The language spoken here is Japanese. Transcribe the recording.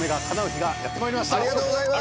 ありがとうございます。